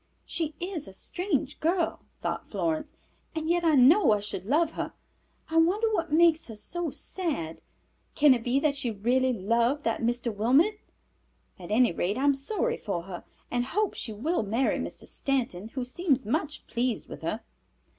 "She is a strange girl," thought Florence, "and yet I know I should love her. I wonder what makes her so sad. Can it be that she really loved that Mr. Wilmot? At any rate, I am sorry for her and hope she will marry Mr. Stanton, who seems much pleased with her."